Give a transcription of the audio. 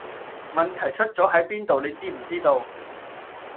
問題出左係邊度你知唔知道?